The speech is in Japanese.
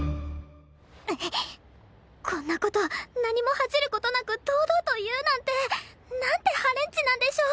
こんな事何も恥じる事なく堂々と言うなんてなんて破廉恥なんでしょう